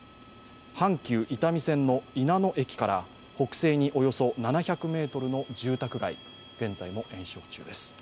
阪急伊丹線の稲野駅から北西におよそ７００ｍの住宅街、現在も延焼中です。